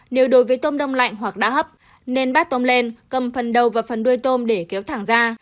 nếu đối với tôm đông lạnh hoặc đã hấp nên bát tôm lên cầm phần đầu vào phần đuôi tôm để kéo thẳng ra